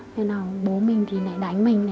nên là bố mình thì lại đánh mình